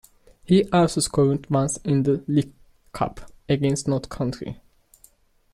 He also scored once in the League Cup against Notts County.